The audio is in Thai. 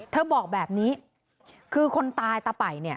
เธอบอกแบบนี้คือคนตายตะไป่